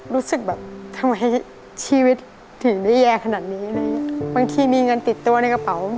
รู้สึกแบบทำไมชีวิตถึงได้แย่ขนาดนี้เลยบางทีมีเงินติดตัวในกระเป๋า